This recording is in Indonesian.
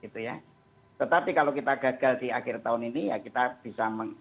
tetapi kalau kita gagal di akhir tahun ini ya kita bisa